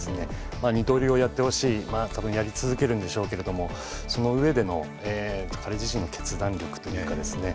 まあ二刀流をやってほしい多分やり続けるんでしょうけれどもその上での彼自身の決断力というかですね